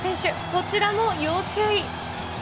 こちらも要注意。